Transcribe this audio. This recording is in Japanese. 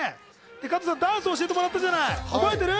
加藤さん、ダンスを教えてもらったじゃない覚えてる？